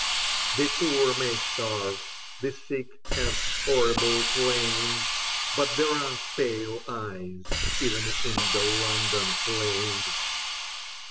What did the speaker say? The poor may starve, the sick have horrible pains — But there are pale eyes even in the London planes.